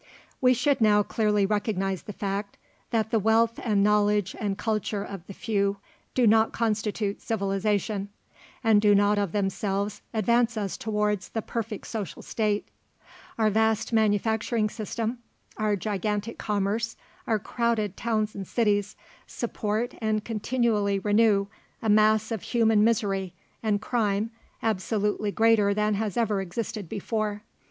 We should now clearly recognise the fact, that the wealth and knowledge and culture of the few do not constitute civilization, and do not of themselves advance us towards the "perfect social state." Our vast manufacturing system, our gigantic commerce, our crowded towns and cities, support and continually renew a mass of human misery and crime absolutely greater than has ever existed before.